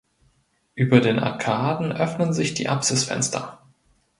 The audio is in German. Über den Arkaden öffnen sich die Apsisfenster.